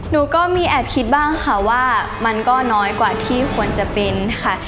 หนูก็มีแอบคิดบ้างค่ะว่ามันก็น้อยกว่าที่ควรจะเป็นค่ะ